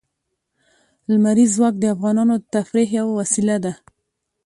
لمریز ځواک د افغانانو د تفریح یوه وسیله ده.